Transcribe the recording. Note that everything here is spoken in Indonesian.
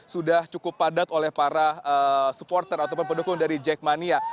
sudah cukup padat oleh para supporter ataupun pendukung dari jackmania